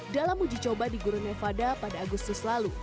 dalam uji coba di gurun nevada pada agustus lalu